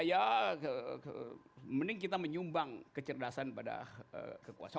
ya mending kita menyumbang kecerdasan pada kekuasaan